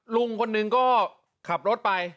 ลุงคนหนึ่งก็ขับรถไป